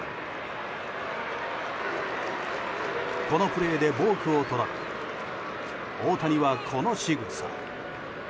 このプレーでボークを取られ大谷はこのしぐさ。